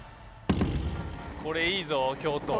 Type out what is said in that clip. これいいぞ京都。